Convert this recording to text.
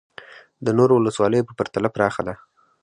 د نورو ولسوالیو په پرتله پراخه ده